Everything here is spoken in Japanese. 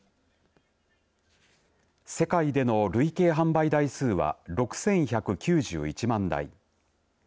世界での累計販売台数は６１９１万台。